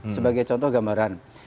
sebagai contoh gambaran